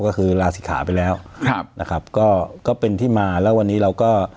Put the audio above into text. ก็คือลาศิกขาไปแล้วครับนะครับก็ก็เป็นที่มาแล้ววันนี้เราก็